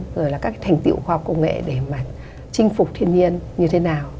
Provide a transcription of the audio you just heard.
rồi là các thành tựu khoa học công nghệ để mà chinh phục thiên nhiên như thế nào